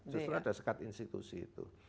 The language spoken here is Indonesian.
justru ada sekat institusi itu